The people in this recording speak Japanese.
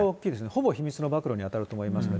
ほぼ秘密の暴露に当たると思いますね。